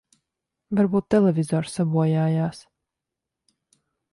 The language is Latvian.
Varbūt televizors sabojājās.